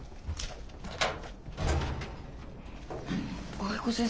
藍子先生